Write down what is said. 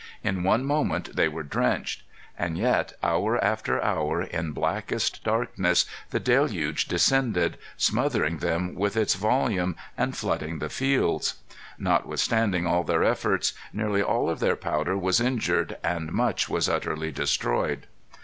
In one moment they were drenched. And yet, hour after hour, in blackest darkness, the deluge descended, smothering them with its volume and flooding the fields. Notwithstanding all their efforts, nearly all of their powder was injured, and much was utterly destroyed.